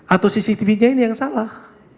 atau cctv nya ini yang salah